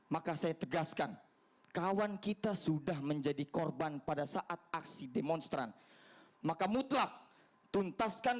maka saya tegaskan kawan kita sudah menjadi korban pada saat aksi demonstran maka mutlak tuntaskan